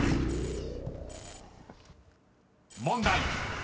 ［問題］